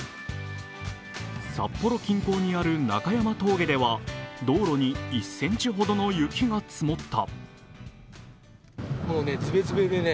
札幌近郊にある中山峠では道路に１センチほどの雪が積もった。